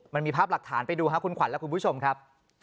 มันมีภาพหลักฐานไปดูครับคุณขวัญและคุณผู้ชมครับ